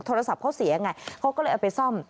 โทรศัพท์เขาเสียไงเขาก็เลยเอาไปซ่อม